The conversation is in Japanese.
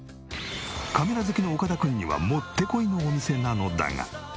カメラ好きの岡田君にはもってこいのお店なのだが。